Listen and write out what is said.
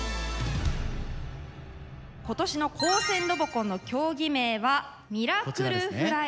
今年の高専ロボコンの競技名は「ミラクル☆フライ」。